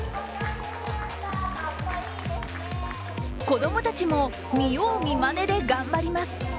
子供たちも見よう見まねで頑張ります。